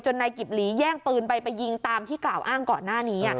นายกิบหลีแย่งปืนไปไปยิงตามที่กล่าวอ้างก่อนหน้านี้